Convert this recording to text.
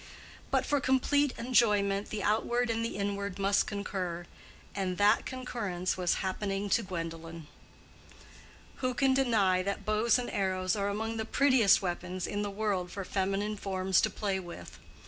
But for complete enjoyment the outward and the inward must concur. And that concurrence was happening to Gwendolen. Who can deny that bows and arrows are among the prettiest weapons in the world for feminine forms to play with?